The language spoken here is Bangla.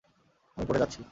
আমি পড়ে যাচ্ছি!